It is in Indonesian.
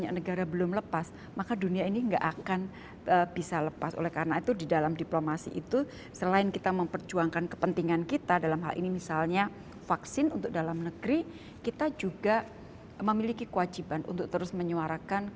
yang kedua faktor kecepatan dalam mengambil keputusan